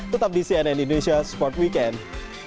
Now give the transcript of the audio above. tetap di cnn indonesia sport weekend